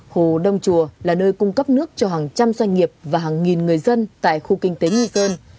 hồ đông chùa là nơi cung cấp nước cho hàng trăm doanh nghiệp và hàng nghìn người dân tại khu kinh tế nghi sơn